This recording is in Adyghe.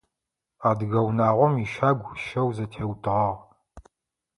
Адыгэ унагъом ищагу щэу зэтеутыгъагъ.